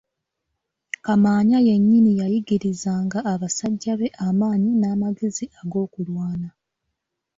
Kamaanya yennyini yayigirizanga basajja be amaanyi n'amagezi ag'okulwana.